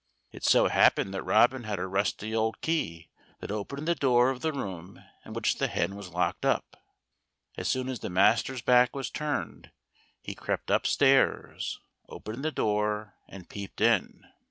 It so happened that Robin had a rusty old key that opened the door of the room in which the hen was locked up. As soon as his master's back was turned he crept upstairs, opened the door, and peeped in.